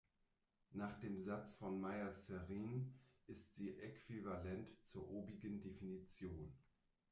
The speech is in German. Nach dem Satz von Meyers-Serrin ist sie äquivalent zur obigen Definition.